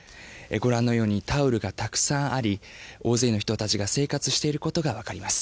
ご覧のようにタオルがたくさんあり大勢の人たちが生活していることが分かります。